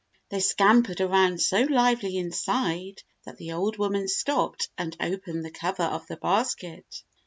They scampered around so lively inside that the old woman stopped and opened the cover of the basket.